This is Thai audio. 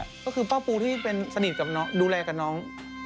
ก็คือป้าปูที่เป็นสนิทกับน้องดูแลกับน้อง